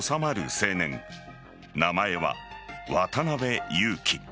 青年名前は渡邉優樹。